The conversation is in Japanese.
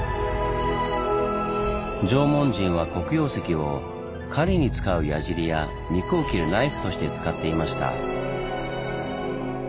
縄文人は黒曜石を狩りに使う矢じりや肉を切るナイフとして使っていました。